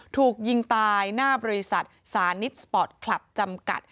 ถูกยิงตายหน้าบริษัทสานิทสปอร์ตคลับจำกัด